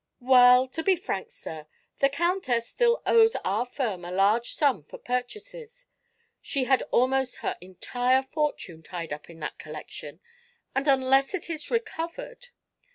"Well, to be frank, sir, the countess still owes our firm a large sum for purchases. She had almost her entire fortune tied up in that collection, and unless it is recovered